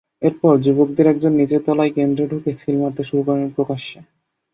এরপর যুবকদের একজন নিচের তলার কেন্দ্রে ঢুকে সিল মারতে শুরু করেন প্রকাশ্যে।